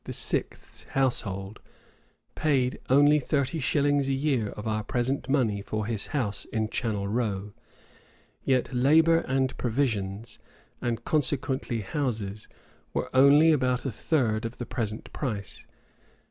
's household paid only thirty shillings a year of our present money for his house in Channel Row;[*] yet labor and provisons, and consequently houses, were only about a third of the present price.